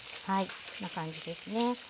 こんな感じですね。